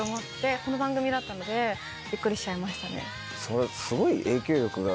この番組だったのでびっくりしちゃいましたね。